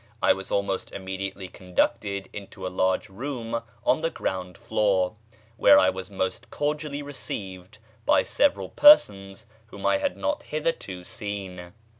I was almost immediately conducted into a large room on the ground floor, where I was most cordially received by several persons whom I had not hitherto seen.